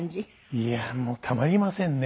いやもうたまりませんね。